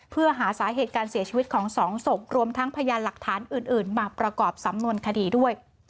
เพื่อหาสาเหตุการเสียชีวิตของสองศพรวมทั้งพยานหลักฐานอื่นมาประกอบสำนวนคดีด้วย